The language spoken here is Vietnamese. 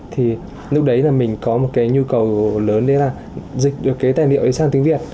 thì lúc đấy là mình có một cái nhu cầu lớn đấy là dịch được cái tài liệu ấy sang tiếng việt